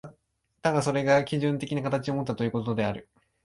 ただそれが基準的な形をもったということである。